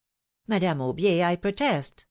" Madame Aubier, I protest !